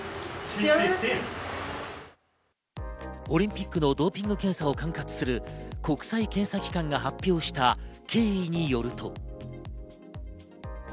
オリンピックのドーピング検査を管轄する国際検査機関が発表した経緯によると。